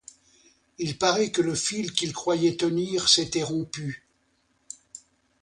Il paraît que le fil qu'il croyait tenir s'était rompu.